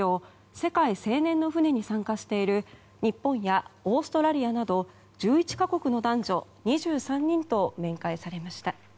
世界青年の船に参加している日本やオーストラリアなど１１か国の男女２３人と面会されました。